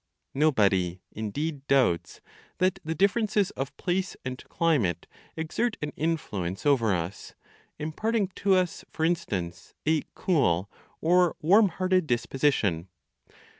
Nobody, indeed, doubts that the differences of place and climate exert an influence over us, imparting to us, for instance, a cool or warm hearted disposition.